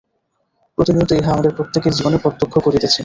প্রতিনিয়ত ইহা আমাদের প্রত্যেকের জীবনে প্রত্যক্ষ করিতেছি।